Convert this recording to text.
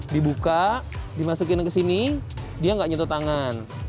dibuka dimasukin ke sini dia nggak nyentuh tangan